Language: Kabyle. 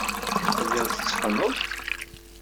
Telliḍ tetteqqneḍ.